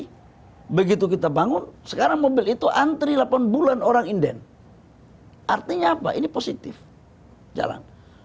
hai begitu kita bangun sekarang mobil itu antri delapan bulan orang inden artinya apa ini positif jalan